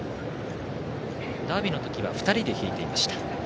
ダービーのときは２人で引いていました。